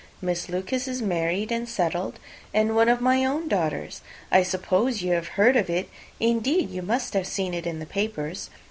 Miss Lucas is married and settled: and one of my own daughters. I suppose you have heard of it; indeed, you must have seen it in the papers.